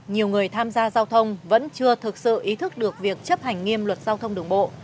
nhiều người tham gia giao thông vẫn chưa thực sự ý thức được việc chấp hành nghiêm luật giao thông đường bộ